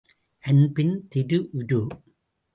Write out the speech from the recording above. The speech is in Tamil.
அன்பின் திரு உரு!